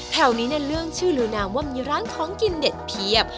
แถวนี้ในเรื่องชื่อลือนามว่ามีร้านของกินเด็ดเพียบ